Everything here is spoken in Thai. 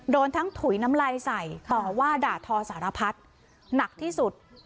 โดนทั้งถุยน้ำลายใส่ต่อว่าด่าทอสารพัฒน์หนักที่สุด